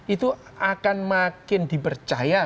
itu akan makin dipercaya